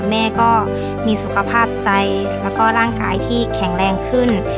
แม่ก็มีสุขภาพใจแล้วก็ร่างกายที่แข็งแรงขึ้น